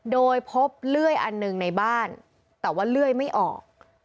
โดยพบเลื่อยอันหนึ่งในบ้านแต่ว่าเลื่อยไม่ออก